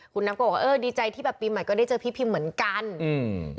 คุณน้ำก็บอกว่าเออดีใจที่แบบปีใหม่ก็ได้เจอพี่พิมเหมือนกันอืม